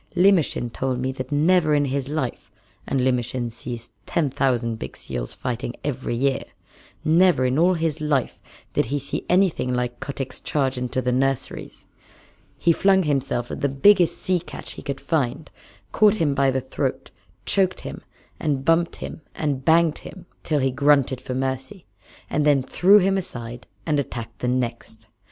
Limmershin told me that never in his life and Limmershin sees ten thousand big seals fighting every year never in all his little life did he see anything like Kotick's charge into the nurseries. He flung himself at the biggest sea catch he could find, caught him by the throat, choked him and bumped him and banged him till he grunted for mercy, and then threw him aside and attacked the next.